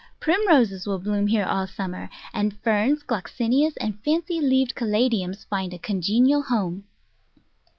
Primroses will bloom here all summer, and Ferns, Gloxinias, and fancy leaved Caladiums find a congenial home.